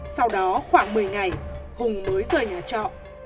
sau đó khoảng một mươi ngày hùng mới rời nhà trọ